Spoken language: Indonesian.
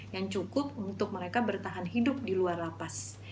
yang cukup untuk mereka bertahan hidup di luar lapas